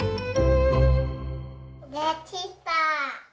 できた。